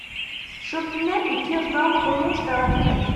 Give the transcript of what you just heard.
Chopinet et Kirschbaum remontent vers la fenêtre.